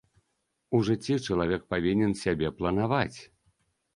У жыцці чалавек павінен сябе планаваць.